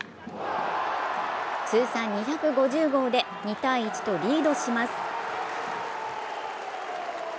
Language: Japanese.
通算２５０号で、２−１とリードします。